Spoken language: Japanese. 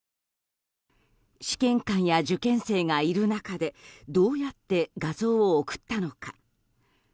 試験官や受験生がいる中でどうやって画像を送ったのか。